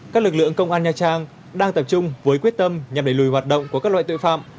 các lực lượng công an nha trang đang tập trung với quyết tâm nhằm đẩy lùi hoạt động của các loại tội phạm